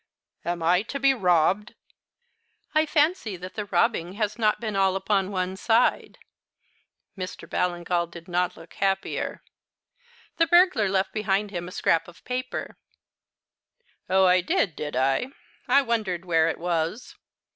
"Am I to be robbed " "I fancy that the robbing has not been all upon one side." Mr. Ballingall did not look happier. "The burglar left behind him a scrap of paper " "Oh, I did, did I? I wondered where it was."